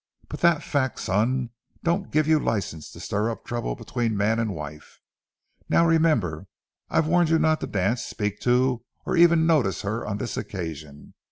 But that fact, son, don't give you any license to stir up trouble between man and wife. Now, remember, I've warned you not to dance, speak to, or even notice her on this occasion.